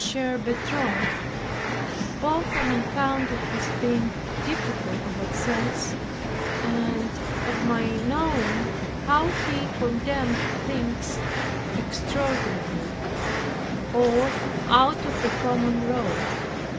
Bertot, both on account of his being difficult of access, and of my knowing how he condemned things extraordinary, or out of the common road.